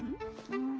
うん。